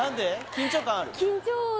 緊張感ある？